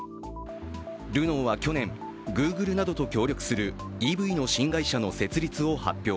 ルノーは去年、Ｇｏｏｇｌｅなどと協力するＥＶの新会社の設立を発表。